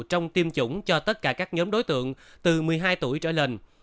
trong tiêm chủng cho tất cả các nhóm đối tượng từ một mươi hai tuổi trở lên